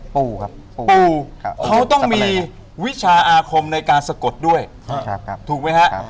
ปูครับปูเขาต้องมีวิชาอาคมในการสะกดด้วยครับครับถูกไหมฮะครับ